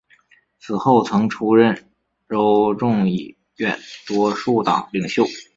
此后曾出任州众议院多数党领袖。